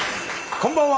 こんばんは！